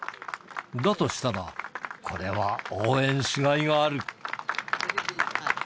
だとしたら、これは応援しがいがある。